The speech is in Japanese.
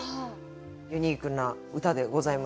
ユニークな歌でございました。